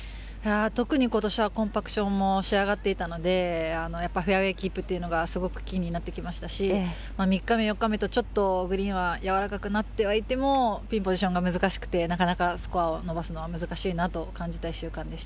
特にことしはも仕上がっていたので、やっぱりフェアウエーキープっていうのがすごく気になってきましたし、３日目、４日目とちょっとグリーンは柔らかくはなっていても、ピンポジションが難しくて、なかなかスコアを伸ばすのは難しいなと感じた